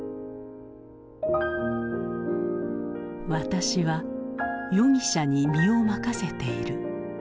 「私は夜汽車に身を任せている。